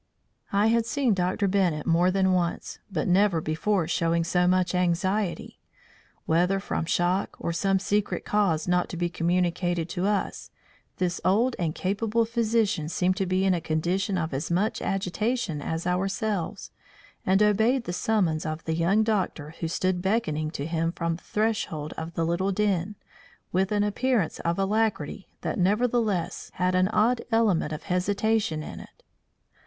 I had seen Dr. Bennett more than once, but never before showing so much anxiety. Whether from shock or some secret cause not to be communicated to us, this old and capable physician seemed to be in a condition of as much agitation as ourselves, and obeyed the summons of the young doctor who stood beckoning to him from the threshold of the little den, with an appearance of alacrity that nevertheless had an odd element of hesitation in it.